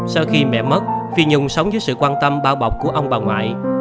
sau khi mẹ mất phi nhung sống dưới sự quan tâm bao bọc của ông bà ngoại